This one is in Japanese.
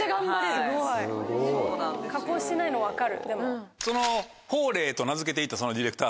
すごい。加工してないの分かる。